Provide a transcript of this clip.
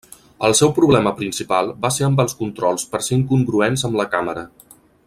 El seu problema principal va ser amb els controls per ser incongruents amb la càmera.